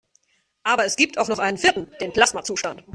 Aber es gibt auch noch einen vierten: Den Plasmazustand.